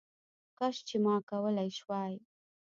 کش چي ما کولې شواې